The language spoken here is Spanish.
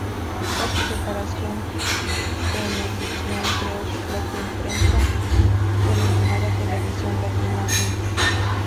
Tras su separación Venevisión creó su propia empresa denominada Televisión Latina Inc.